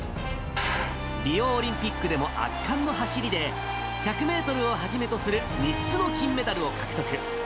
リオオリンピックでも圧巻の走りで、１００メートルをはじめとする３つの金メダルを獲得。